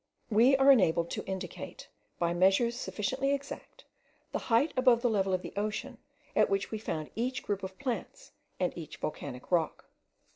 We are enabled to indicate, by measures sufficiently exact, the height above the level of the ocean, at which we found each group of plants, and each volcanic rock.